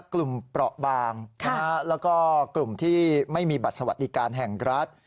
เปราะบางแล้วก็กลุ่มที่ไม่มีบัตรสวัสดิการแห่งรัฐ